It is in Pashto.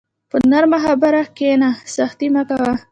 په نرمه خبره کښېنه، سختي مه کوه.